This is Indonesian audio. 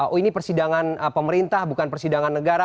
oh ini persidangan pemerintah bukan persidangan negara